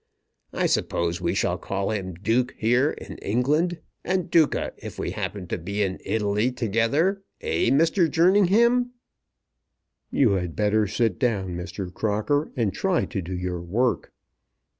I suppose we shall call him Duke here in England, and Duca if we happen to be in Italy together; eh, Mr. Jerningham?" "You had better sit down, Mr. Crocker, and try to do your work."